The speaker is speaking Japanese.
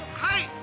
はい。